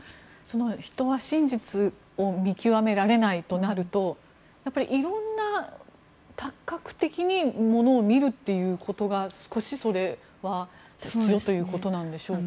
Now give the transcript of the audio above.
人は真実を見極められないとなると色んな多角的にものを見るということが少しそれは必要ということなんでしょうか。